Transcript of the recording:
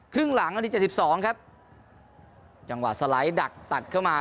ครึ่งหลังนาทีเจ็ดสิบสองครับจังหวะสไลด์ดักตัดเข้ามา